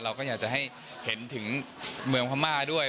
เราก็อยากจะให้เห็นถึงเมืองพม่าด้วย